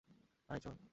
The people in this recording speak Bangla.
আয়, চল!